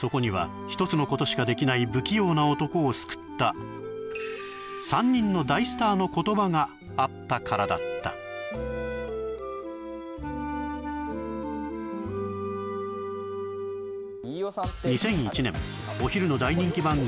そこには一つのことしかできない不器用な男を救った３人の大スターの言葉があったからだった２００１年お昼の大人気番組